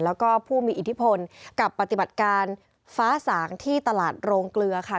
แล้วก็ผู้มีอิทธิพลกับปฏิบัติการฟ้าสางที่ตลาดโรงเกลือค่ะ